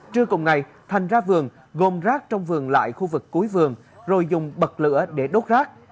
trưa cùng ngày thành ra vườn gồm rác trong vườn lại khu vực cuối vườn rồi dùng bật lửa để đốt rác